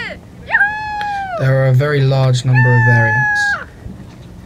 There are a very large number of variants.